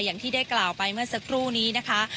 อย่างที่ได้กล่าวไปเมื่อสักครู่นี้นะคะ